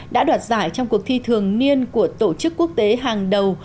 đã đoạt giải trong cuộc thi thường niên của tổ chức quốc tế hàng đầu